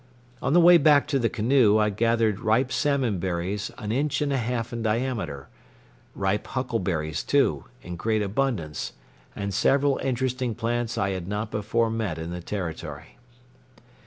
On the way back to the canoe I gathered ripe salmon berries an inch and a half in diameter, ripe huckleberries, too, in great abundance, and several interesting plants I had not before met in the territory.